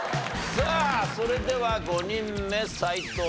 さあそれでは５人目斎藤さんですが。